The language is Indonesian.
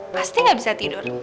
pasti gak bisa tidur